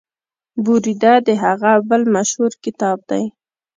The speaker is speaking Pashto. بریده د هغه بل مشهور کتاب دی.